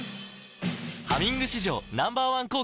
「ハミング」史上Ｎｏ．１抗菌